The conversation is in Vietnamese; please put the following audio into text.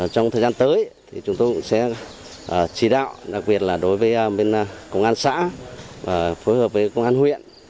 trong thời gian tới thì chúng tôi cũng sẽ chỉ đạo đặc biệt là đối với bên công an xã phối hợp với công an huyện